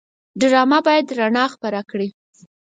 ډرامه باید رڼا خپره کړي